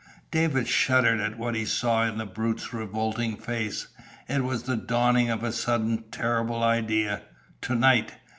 David shuddered at what he saw in the brute's revolting face. It was the dawning of a sudden, terrible idea. To night!